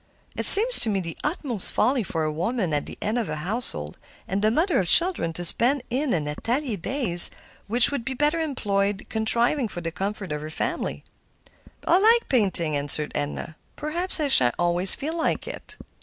"It seems to me the utmost folly for a woman at the head of a household, and the mother of children, to spend in an atelier days which would be better employed contriving for the comfort of her family." "I feel like painting," answered Edna. "Perhaps I shan't always feel like it."